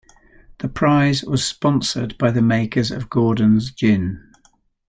The prize was sponsored by the makers of Gordon's Gin.